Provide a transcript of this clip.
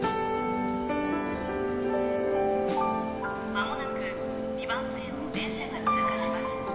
間もなく２番線を電車が通過します。